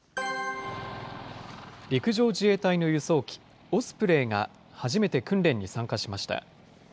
陸上自衛隊の輸送機、オスプレイが初めて訓練に参加しました。